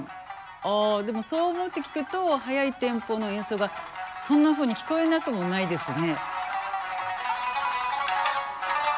あでもそう思って聴くと速いテンポの演奏がそんなふうに聞こえなくもないですね。